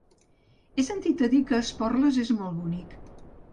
He sentit a dir que Esporles és molt bonic.